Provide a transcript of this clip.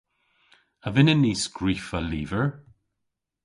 A vynnyn ni skrifa lyver?